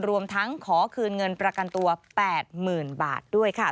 รวมทั้งขอคืนเงินประกันตัว๘๐๐๐บาทด้วยค่ะ